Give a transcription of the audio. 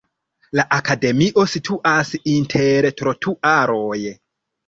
La akademio situas inter trotuaroj.